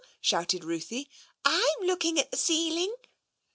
" shouted Ruthie. '' I'm looking at the ceiling!